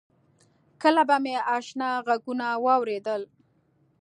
کله به مې آشنا غږونه واورېدل.